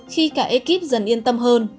khi cả ekip dần yên tâm hơn